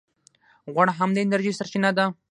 غوړ هم د انرژۍ سرچینه ده